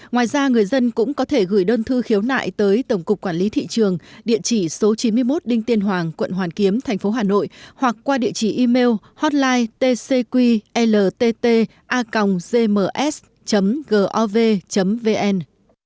ngoài ra người dân cũng có thể gửi đơn thư khiếu nại tới tổng cục quản lý thị trường địa chỉ số chín mươi một đinh tiên hoàng quận hoàn kiếm tp hà nội hoặc qua địa chỉ email hotline tcqltta gms gov vn